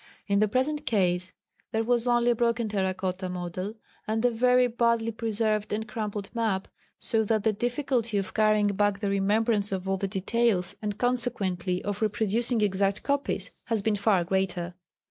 In the present case there was only a broken terra cotta model and a very badly preserved and crumpled map, so that the difficulty of carrying back the remembrance of all the details, and consequently of reproducing exact copies, has been far greater.